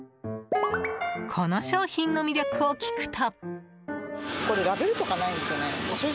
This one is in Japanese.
この商品の魅力を聞くと。